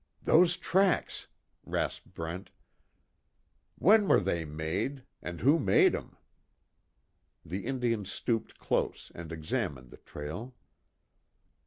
"Those tracks!" rasped Brent, "When were they made? And who made 'em?" The Indian stooped close and examined the trail.